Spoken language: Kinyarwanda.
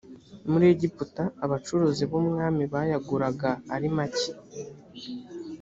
muri egiputa abacuruzi b umwami bayaguraga ari make